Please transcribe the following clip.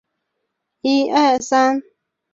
当地的公司免费地将这些屋子改造成办公室。